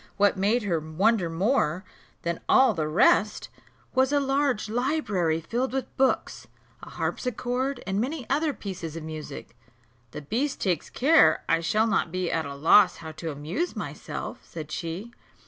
What made her wonder more than all the rest was a large library filled with books, a harpsichord, and many other pieces of music. "The beast takes care I shall not be at a loss how to amuse myself," said she.